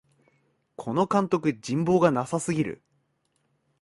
この監督、人望がなさすぎる